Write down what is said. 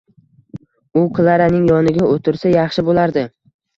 U Klaraning yoniga o’tirsa, yaxshi bo’lardi